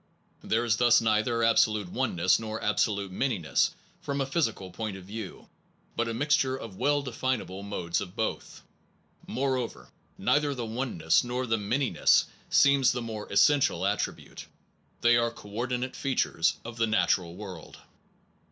There is thus neither absolute oneness nor absolute manyness from the physical point of view, but a mixture of well definable modes of both. Moreover, neither the oneness nor the manyness seems the more essential attribute, they are co ordinate features of the natural world.